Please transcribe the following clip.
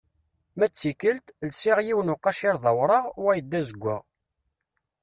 Ma d tikkelt, lsiɣ yiwen uqaciṛ d awraɣ, wayeḍ d azeggaɣ.